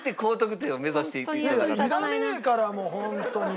いらねえからもうホントに。